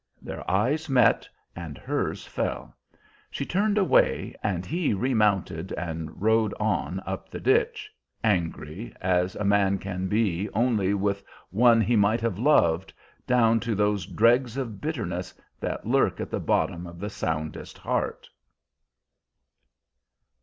Their eyes met and hers fell. She turned away, and he remounted and rode on up the ditch, angry, as a man can be only with one he might have loved, down to those dregs of bitterness that lurk at the bottom of the soundest heart.